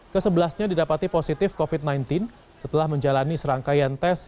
kesebelasnya didapati positif covid sembilan belas setelah menjalani serangkaian tes